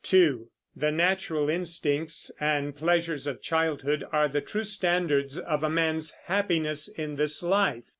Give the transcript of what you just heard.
(2) The natural instincts and pleasures of childhood are the true standards of a man's happiness in this life.